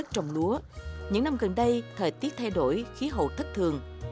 trong lúa những năm gần đây thời tiết thay đổi khí hậu thất thường